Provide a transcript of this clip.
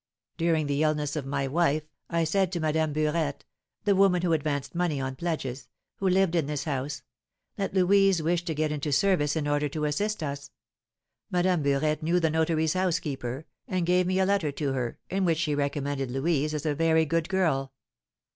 "During the illness of my wife, I said to Madame Burette the woman who advanced money on pledges, who lived in this house that Louise wished to get into service in order to assist us. Madame Burette knew the notary's housekeeper, and gave me a letter to her, in which she recommended Louise as a very good girl.